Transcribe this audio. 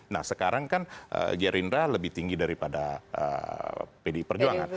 nah sekarang kan gerindra lebih tinggi daripada pdi perjuangan